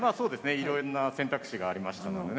いろんな選択肢がありましたのでね。